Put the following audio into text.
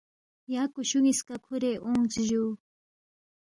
یا کُشُو نِ٘یسکا کھُورے اونگس جُو